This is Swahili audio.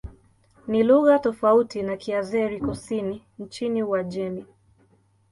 Ni lugha tofauti na Kiazeri-Kusini nchini Uajemi.